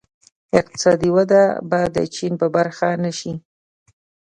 اقتصادي وده به د چین په برخه نه شي.